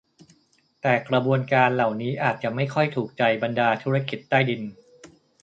แต่กระบวนการเหล่านี้อาจจะไม่ค่อยถูกใจบรรดาธุรกิจใต้ดิน